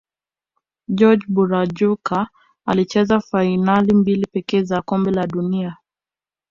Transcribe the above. jorge burachuga alicheza fainali mbili pekee za kombe la dunia